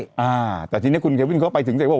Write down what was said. อ่าแต่ทีนี้คุณเทควิลเขาไปถึงแล้วว่า